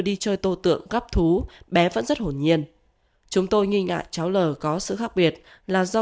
đi chơi tô tượng gấp thú bé vẫn rất hồn nhiên chúng tôi nghi ngại cháu l có sự khác biệt là do